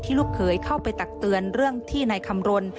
ที่ลูกเคยเข้าไปตักเตือนเรื่องที่ในคำรวล